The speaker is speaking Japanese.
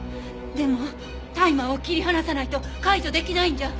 でもタイマーを切り離さないと解除出来ないんじゃ。